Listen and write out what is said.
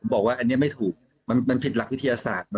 บอกว่าอันนี้ไม่ถูกมันผิดหลักวิทยาศาสตร์